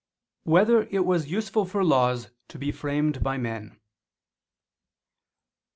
1] Whether It Was Useful for Laws to Be Framed by Men?